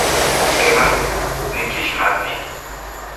Kema, nikixmati.